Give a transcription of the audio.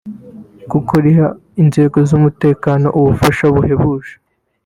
kuko riha inzego z’umutekano ububasha buhebuje